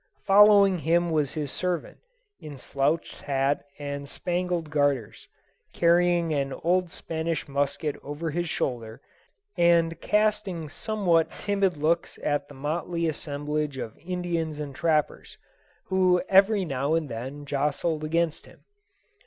Following him was his servant, in slouched hat and spangled garters, carrying an old Spanish musket over his shoulder, and casting somewhat timid looks at the motley assemblage of Indians and trappers, who every now and then jostled against him.